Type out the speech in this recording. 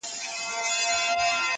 د مېړه زوى ږغ په اوڼي کي لا معلومېږى.